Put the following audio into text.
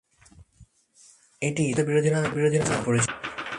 এটি জ্যোতির্বিদ্যা বিরোধী নামে পরিচিত।